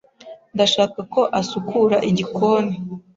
Ndashaka ko asukura igikoni.